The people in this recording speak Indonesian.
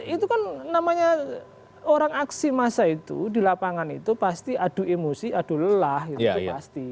itu kan namanya orang aksi massa itu di lapangan itu pasti adu emosi adu lelah gitu pasti